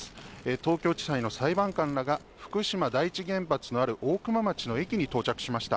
東京地裁の裁判官らが福島第一原発のある大熊町の駅に到着しました。